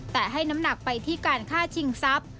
แต่ให้น้ำหนักไปที่การฆ่าชิงทรัพย์